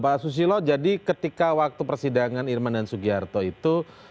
mbak susilo jadi ketika waktu persidangan irman dan sugiharto itu